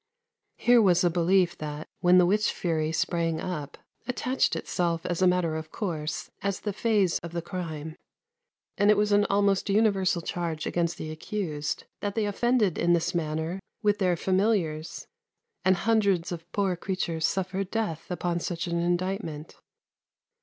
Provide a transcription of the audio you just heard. Here was a belief that, when the witch fury sprang up, attached itself as a matter of course as the phase of the crime; and it was an almost universal charge against the accused that they offended in this manner with their familiars, and hundreds of poor creatures suffered death upon such an indictment.